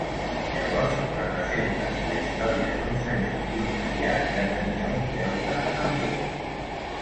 Llavors, representen la història d'un senyor i un criat que tenia un deute amb ell.